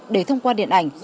để thông qua điện ảnh